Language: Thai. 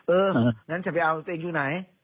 เอองั้นจะไปเอาตัวเองอยู่ไหน